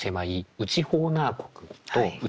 ホーナー国と内